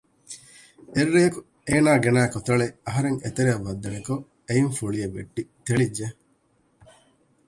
އެއްރެއަކު އޭނާ ގެނައި ކޮތަޅެއް އަހަރެން އެތެރެއަށް ވައްދަނިކޮށް އެއިން ފުޅިއެއް ވެއްޓި ތެޅިއްޖެ